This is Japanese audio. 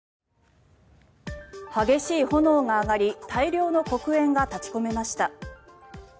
激しい炎が上がり大量の黒煙が立ち込めました。